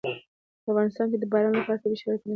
په افغانستان کې د باران لپاره طبیعي شرایط مناسب دي.